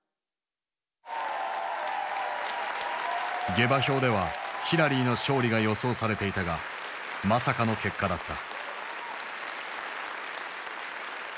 下馬評ではヒラリーの勝利が予想されていたがまさかの結果だった。